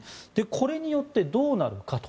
これによってどうなるかと。